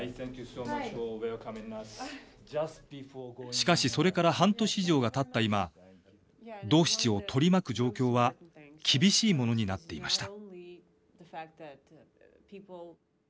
しかしそれから半年以上がたった今「ドーシチ」を取り巻く状況は厳しいものになっていました。